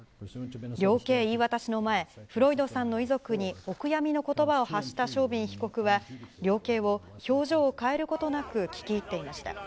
量刑言い渡しの前、フロイドさんの遺族にお悔やみのことばを発したショービン被告は、量刑を表情を変えることなく聞き入っていました。